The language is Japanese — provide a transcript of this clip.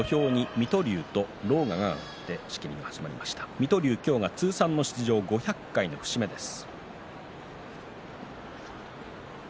水戸龍は通算の出場が５００回の節目です。